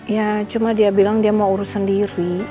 ya cuma dia bilang dia mau urus sendiri